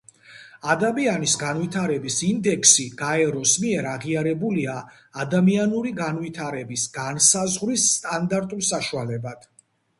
ადამიანის განვითარების ინდექსი გაეროს მიერ აღიარებულია ადამიანური განვითარების განსაზღვრის სტანდარტულ საშუალებად.